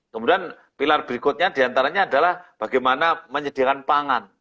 kemudian pilar berikutnya diantaranya adalah bagaimana menyediakan pangan